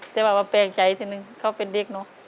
จะบอกว่าแปลงใจสินหนึ่งเขาเป็นเด็กเนอะ